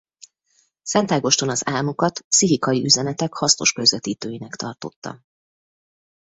Szent Ágoston az álmokat pszichikai üzenetek hasznos közvetítőinek tartotta.